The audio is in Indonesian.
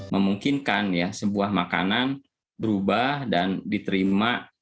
memungkinkan ya sebuah makanan berubah dan diterima